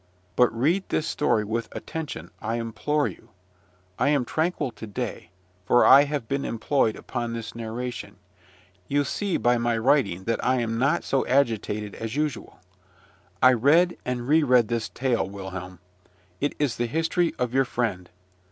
But read this story with attention, I implore you. I am tranquil to day, for I have been employed upon this narration: you see by my writing that I am not so agitated as usual. I read and re read this tale, Wilhelm: it is the history of your friend!